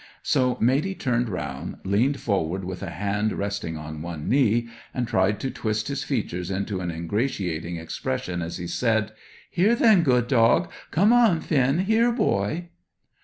So Matey turned round, leaned forward with a hand resting on one knee, and tried to twist his features into an ingratiating expression, as he said "Here, then, good dog! Come on, Finn! Here, boy!"